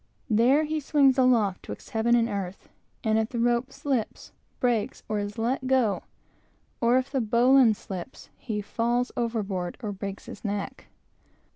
There he "sings aloft 'twixt heaven and earth," and if the rope slips, breaks, or is let go, or if the bowline slips, he falls overboard or breaks his neck.